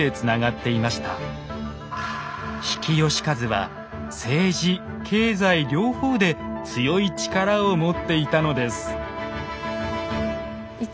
比企能員は政治・経済両方で強い力を持っていたのです。